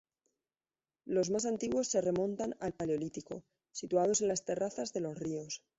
Los más antiguos se remontan al Paleolítico, situados en las terrazas de los ríos.